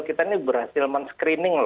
kita berhasil men screening